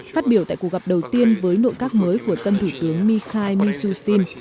phát biểu tại cuộc gặp đầu tiên với nội các mới của tân thủ tướng mikhail mishustin